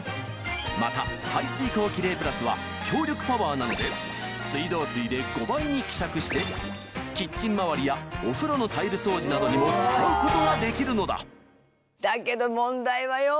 また「排水口キレイプラス」は強力パワーなので水道水で５倍に希釈してキッチン回りやお風呂のタイル掃除などにも使うことができるのだだけど問題はよ？